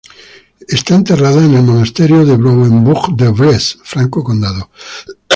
Está enterrada en el monasterio de Brou en Bourg-en-Bresse, Franco Condado.